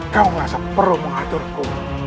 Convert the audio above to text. kamu rasa perlu mengaturku